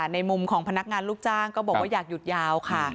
ในมุมของพนักงานลูกจ้างก็บอกว่าอยากหยุดยาวค่ะ